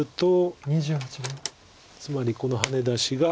つまりこのハネ出しが。